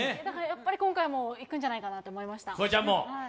やっぱり今回もいくんじゃないかなと思いました。